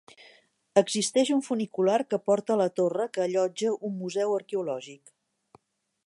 Existeix un funicular que porta a la torre, que allotja un museu arqueològic.